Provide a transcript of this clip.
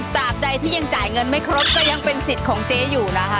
ตามใดที่ยังจ่ายเงินไม่ครบก็ยังเป็นสิทธิ์ของเจ๊อยู่นะคะ